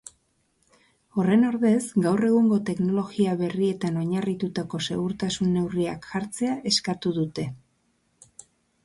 Horren ordez, gaur egungo teknologia berrietan oinarritutako segurtasun neurriak jartzea eskatu dute.